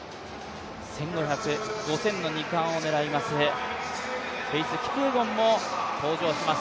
１５００、５０００の２冠を狙います、フェイス・キピエゴンも登場します。